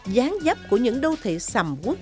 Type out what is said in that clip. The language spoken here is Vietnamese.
gián dấp của những đô thị sầm quốc